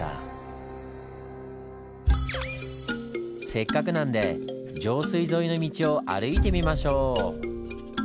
せっかくなんで上水沿いの道を歩いてみましょう！